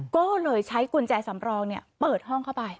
ก็เลยใช้กุญแจสำรองเปิดห้องเข้าไป